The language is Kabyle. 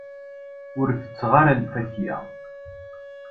Ur tetteɣ ara lfakya.